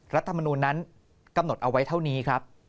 รัฐมนูลนั้นกำหนดเอาไว้เท่านี้ครับ